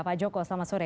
pak joko selamat sore